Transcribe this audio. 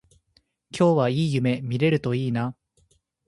今日はいい夢見れるといいな